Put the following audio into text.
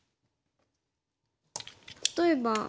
例えば。